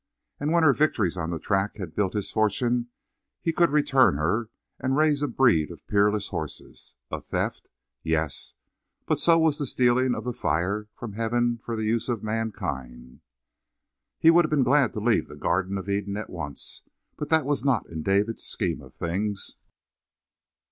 And when her victories on the track had built his fortune he could return her, and raise a breed of peerless horses. A theft? Yes, but so was the stealing of the fire from heaven for the use of mankind. He would have been glad to leave the Garden of Eden at once, but that was not in David's scheme of things.